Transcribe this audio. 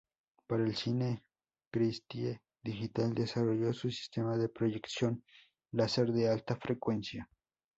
Para el cine Christie Digital desarrolló su sistema de proyección láser de alta frecuencia.